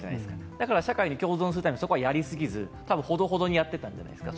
だから社会に共存するためにそこはやりすぎず、多分ほどほどにやってたんじゃないですか。